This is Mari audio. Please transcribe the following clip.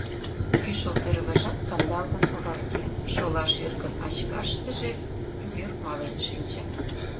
Кӱшыл тӱрвыжат кандалгын оварген, шола шӱргыначкаштыже вӱр мален шинчын.